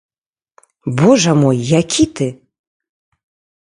Божа мой, які ты.